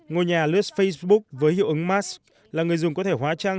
ngôi nhà lướt facebook với hiệu ứng mask là người dùng có thể hóa trang